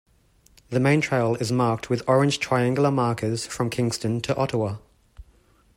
The main trail is marked with orange triangular markers from Kingston to Ottawa.